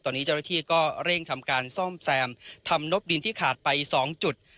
ตอนนี้เจ้าหน้าที่ก็เร่งทำการซ่อมแซมทำนบดินที่ขาดไป๒จุด